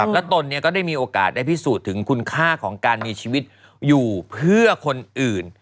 แล้วตนก็ได้มีโอกาสได้พิสูจน์ถึงคุณค่าของการมีชีวิตอยู่เพื่อคนอื่น